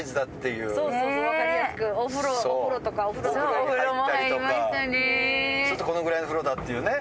そうするとこのぐらいの風呂だっていうね。